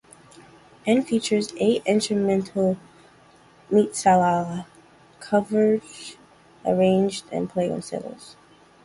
It features eight instrumental Metallica covers arranged and played on cellos.